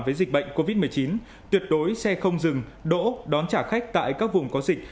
với dịch bệnh covid một mươi chín tuyệt đối xe không dừng đỗ đón trả khách tại các vùng có dịch